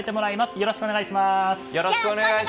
よろしくお願いします。